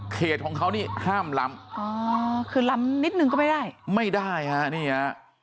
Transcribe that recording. ของเขานี่ห้ามล้ำอ๋อคือล้ำนิดนึงก็ไม่ได้ไม่ได้ฮะนี่ฮะ